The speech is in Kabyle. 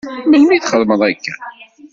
Melmi i txedmeḍ akka?